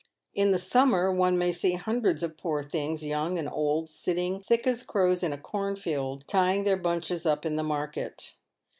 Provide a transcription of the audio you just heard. In the summer one may see hundreds of poor things, youii^ and old, sitting, thick as crows in a corn field, tying their bunches up in the market.